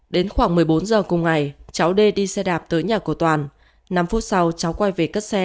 đến khoảng một mươi bốn giờ cùng ngày cháu đê đi xe đạp tới nhà của toàn năm phút sau cháu quay về cất xe